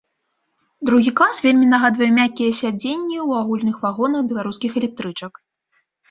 Другі клас вельмі нагадвае мяккія сядзенні ў агульных вагонах беларускіх электрычак.